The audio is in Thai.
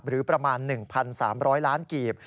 หรือประมาณ๑๓๐๐ล้านกีบ